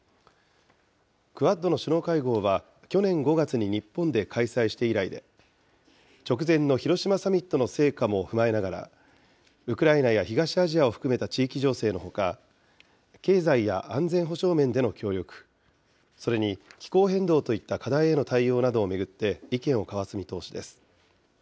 クアッドの首脳会合は去年５月に日本で開催して以来で、直前の広島サミットの成果も踏まえながら、ウクライナや東アジアを含めた地域情勢のほか、経済や安全保障面での協力、それに気候変動といった課題への対応などを巡って意見を交わす見通しです。